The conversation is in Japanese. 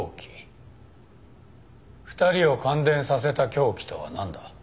２人を感電させた凶器とはなんだ？